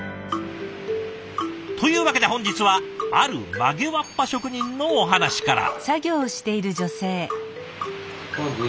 というわけで本日はある曲げわっぱ職人のお話から。